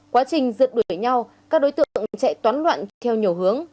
quá trình giật đuổi nhau các đối tượng chạy toán loạn theo nhiều hướng